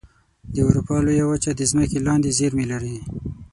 د اروپا لویه وچه د ځمکې لاندې زیرمې لري.